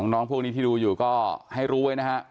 น้องพวกนี้ที่ดูอยู่ก็ให้รู้ไว้นะครับ